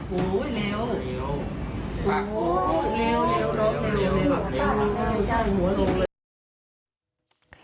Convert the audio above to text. หูหูหูนี่